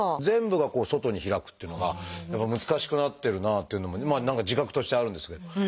全部が外に開くっていうのがやっぱ難しくなってるなあっていうのも何か自覚としてあるんですけれど。